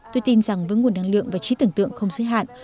tôi tin rằng với nguồn năng lượng và trí tưởng tượng không giới hạn